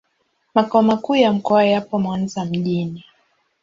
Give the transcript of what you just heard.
Makao makuu ya mkoa yapo Mwanza mjini.